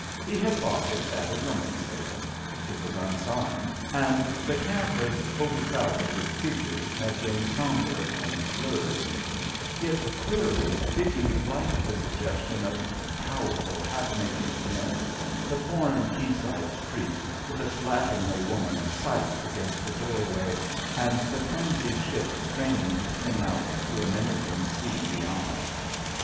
He had bought it at a rummage sale; it was unsigned, and the canvas, overcrowded with figures, had grown sombre and blurred; yet queerly Dickie liked the suggestion of powerful, half naked men; the foreign quay side street, with a slatternly woman silent against a doorway, and the clumsy ship straining to swing out to a menacing sea beyond.